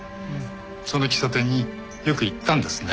その喫茶店によく行ったんですね？